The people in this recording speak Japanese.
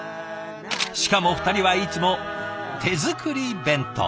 しかも２人はいつも手作り弁当。